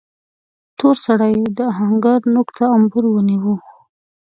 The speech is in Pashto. تور سړي د آهنګر نوک ته امبور ونيو.